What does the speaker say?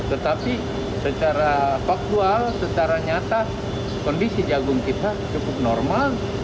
tetapi secara faktual secara nyata kondisi jagung kita cukup normal